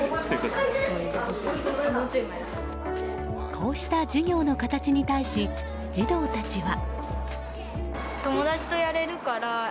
こうした授業の形に対し児童たちは。